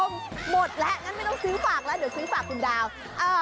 หมดแล้วงั้นไม่ต้องซื้อฝากแล้วเดี๋ยวซื้อฝากคุณดาว